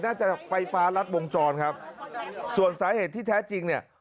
น่าจะไฟฟ้ารัดวงจรครับส่วนสาเหตุที่แท้จริงเนี่ย